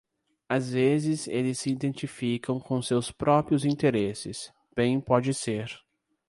Às vezes eles se identificam com seus próprios interesses, bem pode ser.